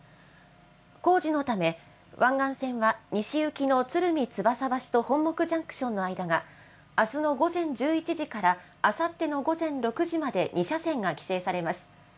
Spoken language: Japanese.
工事のため、湾岸線は西行きの鶴見つばさ橋と本牧ジャンクションの間が、あすの午前１１時からあさっての午前６時まで２車線が規制されます。